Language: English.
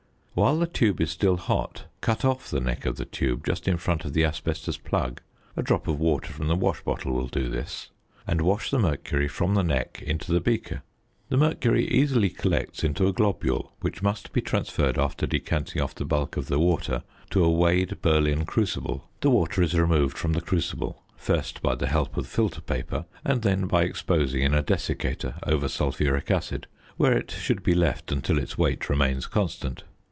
Whilst the tube is still hot cut off the neck of the tube just in front of the asbestos plug (a drop of water from the wash bottle will do this), and wash the mercury from the neck into the beaker. The mercury easily collects into a globule, which must be transferred, after decanting off the bulk of the water, to a weighed Berlin crucible. The water is removed from the crucible, first by the help of filter paper, and then by exposing in a desiccator over sulphuric acid, where it should be left until its weight remains constant.